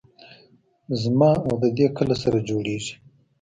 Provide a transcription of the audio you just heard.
زما او د دې کله سره جوړېږي.